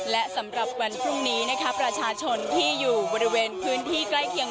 และสำหรับวันพรุ่งนี้นะคะประชาชนที่อยู่บริเวณพื้นที่ใกล้เคียง